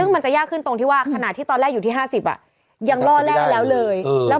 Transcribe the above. มันจะอย่างหน้าขึ้นถูกว่า